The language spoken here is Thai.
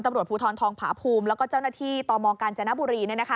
ตำรวจภูทรทองผาภูมิแล้วก็เจ้าหน้าที่ตมกาญจนบุรี